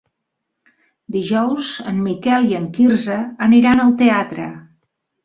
Dijous en Miquel i en Quirze aniran al teatre.